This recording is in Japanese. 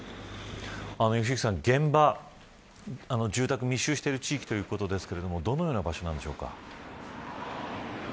良幸さん、現場、住宅密集している地域ということですがどのような場所なんですか。